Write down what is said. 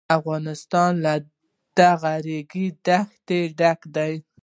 افغانستان له دغو ریګ دښتو ډک دی.